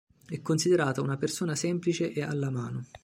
È considerata una persona semplice e alla mano.